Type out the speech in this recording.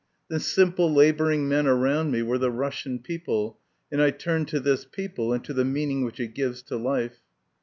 The simple labouring men around me were the Russian people, and I turned to this people and to the meaning which it gives to life.